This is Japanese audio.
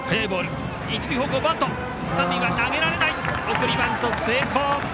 送りバント成功。